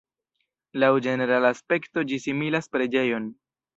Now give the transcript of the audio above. Laŭ ĝenerala aspekto ĝi similas preĝejon.